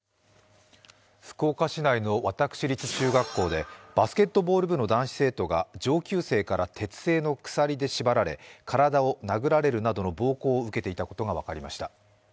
福岡市内の私立中学校でバスケットボール部の男子生徒が上級生から鉄製の鎖で縛られ体を殴られるなどの暴行を受けていたことが分かりました。